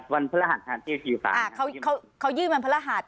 วันพระรหัสทางที่อยู่ฝั่งครับเขายื่นวันพระรหัส